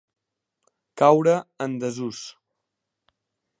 Caure en desús.